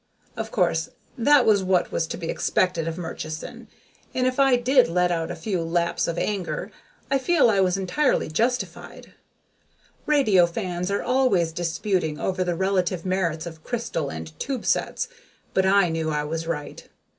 Of course, this was what was to be expected of Murchison. And if I did let out a few laps of anger, I feel I was entirely justified. Radio fans are always disputing over the relative merits of crystal and tube sets, but I knew I was right.